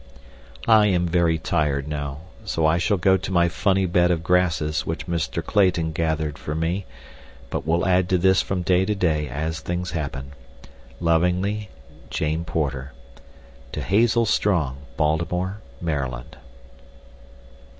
I am very tired now, so I shall go to my funny bed of grasses which Mr. Clayton gathered for me, but will add to this from day to day as things happen. Lovingly, JANE PORTER. TO HAZEL STRONG, BALTIMORE, MD.